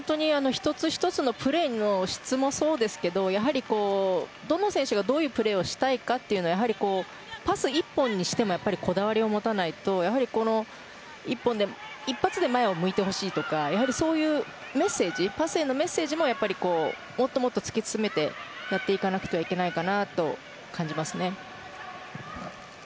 １つ１つのプレーの質もそうですけどやはり、どの選手がどういうプレーをしたいかというのはパス１本にしてもこだわりを持たないと一発で前を向いてほしいとかそういうパスへのメッセージももっともっと突き詰めてやっていかなきゃいけないかなと感じますね。